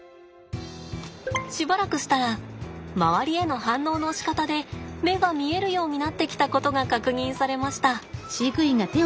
しばらくしたら周りへの反応のしかたで目が見えるようになってきたことが確認されました。